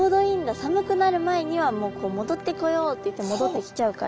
寒くなる前にはもう戻ってこようっていって戻ってきちゃうから。